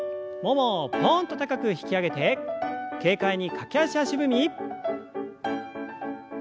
ももをぽんと高く引き上げて軽快に駆け足足踏み。